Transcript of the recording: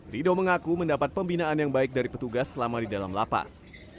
rido mengaku mendapat pembinaan yang baik dari petugas selama di dalam lapas